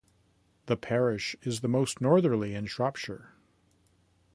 The parish is the most northerly in Shropshire.